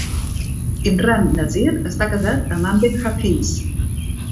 Imran Nazir està casat amb Amber Hafeez.